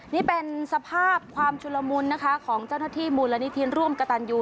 นี่เป็นสภาพความชุลมุนนะคะของเจ้าหน้าที่มูลนิธิร่วมกระตันยู